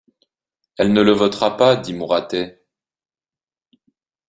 Elle ne le votera, pas, dit Mouratet.